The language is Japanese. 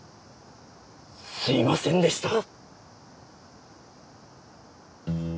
すいませんでした。